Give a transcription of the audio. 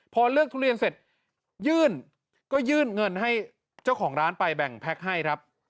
พอเลือกทุเรียนเสร็จยื่นก็ยื่นเงินให้เจ้าของร้านไปแบ่งแพ็คให้ครับ